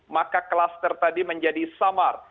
maka klaster tadi menjadi samar